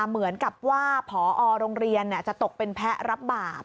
เหมือนกับว่าพอโรงเรียนจะตกเป็นแพ้รับบาป